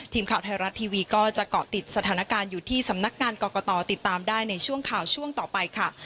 ทีมข่าวไทยรัฐทีวีก็จะเกาะติดสถานการณ์อยู่ที่สำนักงานกรกตติดตามได้ในช่วงข่าวช่วงต่อไปค่ะ